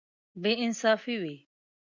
بې انصافي وي.